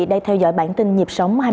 đây theo dõi bản tin nhé